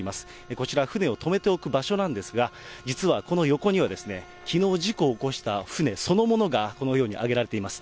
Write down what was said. こちら、船を留めておく場所なんですが、実はこの横には、きのう事故を起こした船そのものがこのように揚げられています。